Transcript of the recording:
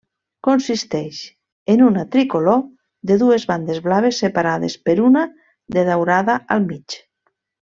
Consisteix en una tricolor de dues bandes blaves separades per una de daurada al mig.